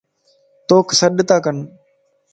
توک سڏتاڪن